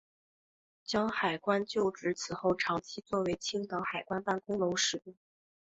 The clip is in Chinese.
胶海关旧址此后长期作为青岛海关办公楼使用。